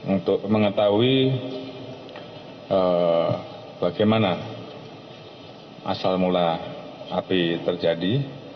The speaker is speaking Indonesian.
untuk mengetahui bagaimana asal mula api terjadi